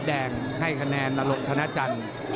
แดงให้คะแนนนรกธนจันทร์